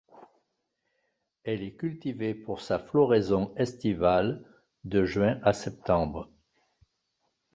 Elle est cultivée pour sa floraison estivale, de juin à septembre.